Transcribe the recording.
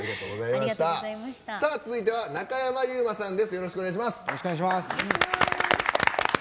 続いては中山優馬さんです。